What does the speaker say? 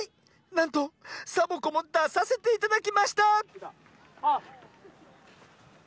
なんとサボ子もださせていただきました！